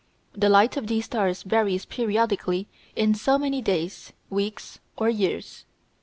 The light of these stars varies periodically in so many days, weeks, or years.